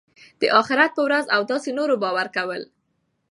د آخرت په ورځ او داسي نورو باور کول .